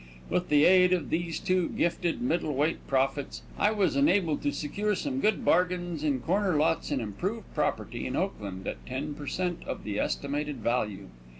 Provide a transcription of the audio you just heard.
With the aid of these two gifted middle weight prophets, I was enabled to secure some good bargains in corner lots and improved property in Oakland at ten per cent. of the estimated value.